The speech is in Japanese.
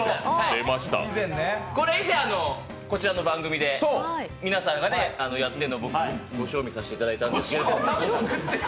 これ以前、こちらの番組で皆さんがやっているのを僕、ご賞味させていただいたんですけれども。